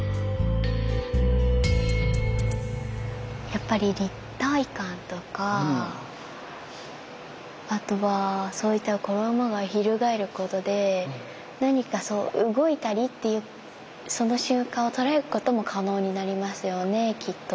やっぱり立体感とかあとはそういった衣が翻ることで何か動いたりっていうその瞬間を捉えることも可能になりますよねきっと。